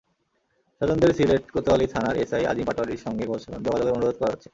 স্বজনদের সিলেট কোতোয়ালি থানার এসআই আজিম পাটোয়ারির সঙ্গে যোগাযোগের অনুরোধ করা যাচ্ছে।